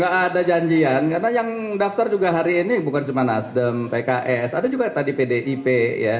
gak ada janjian karena yang daftar juga hari ini bukan cuma nasdem pks ada juga tadi pdip ya